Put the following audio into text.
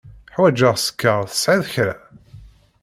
Ḥwaǧeɣ sskeṛ. Tesεiḍ kra?